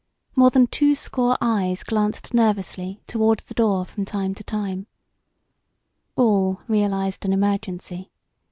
More than two score eyes glanced nervously toward the door from time to time. All realized an emergency.